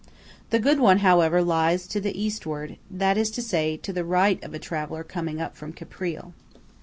The good one, however, lies to the Eastward; that is to say, to the right of a traveller coming up from Caprile.